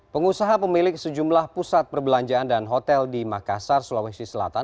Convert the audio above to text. pengusaha pemilik sejumlah pusat perbelanjaan dan hotel di makassar sulawesi selatan